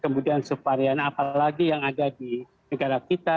kemudian subvarian apalagi yang ada di negara kita